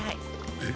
えっ？